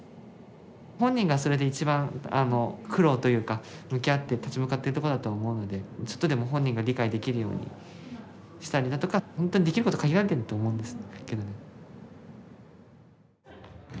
本人がそれで一番苦労というか向き合って立ち向かってるとこだと思うのでちょっとでも本人が理解できるようにしたりだとかほんとにできること限られてると思うんです。